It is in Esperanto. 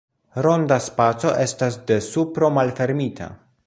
Ronda spaco estas de supro malfermita.